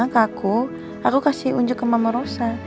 ke aku aku kasih unjuk ke mama rosa